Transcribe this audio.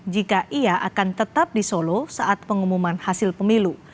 jika ia akan tetap di solo saat pengumuman hasil pemilu